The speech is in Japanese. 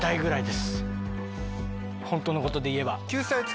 ホントのことで言えば。